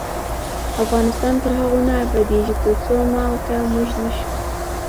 افغانستان تر هغو نه ابادیږي، ترڅو ما او تا "موږ" نشو.